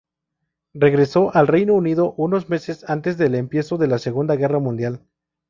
Regreso al Reino Unido unos meses antes del empiezo de la Segunda Guerra Mundial.